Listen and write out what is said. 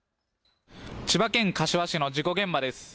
千葉県柏市の事故現場です。